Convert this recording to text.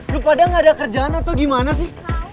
lo padahal gak ada kerjaan atau gimana sih